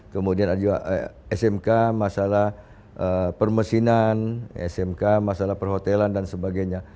kemudian ada juga smk masalah permesinan smk masalah perhotelan dan sebagainya